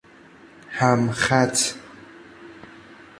همخط